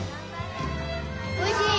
おいしい。